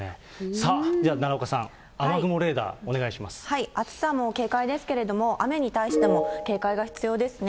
さあ、では奈良岡さん、雨雲レーダー、お願いし暑さも警戒ですけれども、雨に対しても警戒が必要ですね。